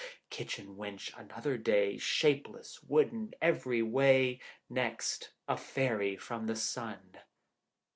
Kitchen wench another day, Shapeless, wooden every way. Next, a fairy from the sun.